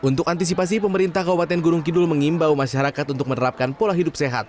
untuk antisipasi pemerintah kabupaten gunung kidul mengimbau masyarakat untuk menerapkan pola hidup sehat